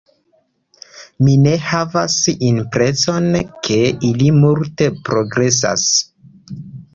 Mi ne havas impreson, ke ili multe progresas.